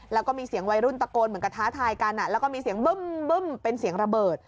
แล้วก็มีเสียงวัยรุ่นตะโกนเหมือนกับท้าทายกันแล้วก็มีเสียงบึ้มเป็นเสียงระเบิด